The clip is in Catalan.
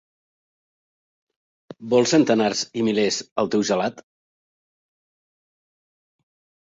Vols centenars i milers al teu gelat?